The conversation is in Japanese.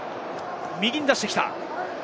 右に出してきた。